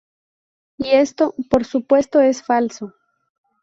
Y esto, por supuesto, es falso.